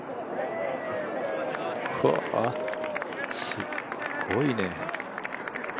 すっごいね。